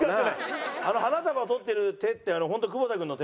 あの花束取ってる手ってホント久保田君の手？